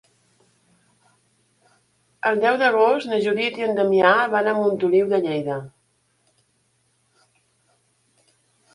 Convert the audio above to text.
El deu d'agost na Judit i en Damià van a Montoliu de Lleida.